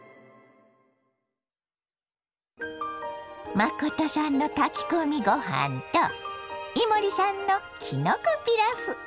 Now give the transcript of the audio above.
真さんの炊き込みご飯と伊守さんのきのこピラフ！